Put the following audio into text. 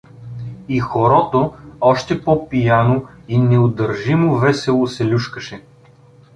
И хорото още по-пияно и неудържимо весело се люшкаше.